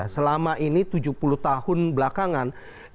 selama ini tujuh puluh tahun belakangan